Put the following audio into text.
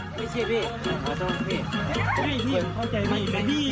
ไม่ใช่พี่